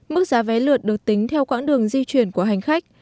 mức giá vé lượt được tính theo quãng đường di chuyển của hành khách